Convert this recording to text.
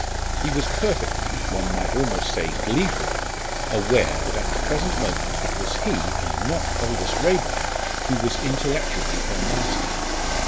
He was perfectly, one might almost say gleefully, aware that at the present moment it was he and not Aldous Raeburn who was intellectually her master.